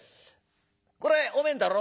これお前んだろ。